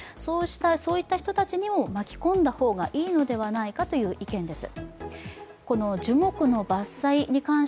そういった人たちも巻き込んだ方がいいのではないかという意見です。